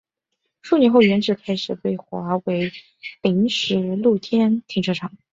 数年后原址开始被划为临时露天停车场。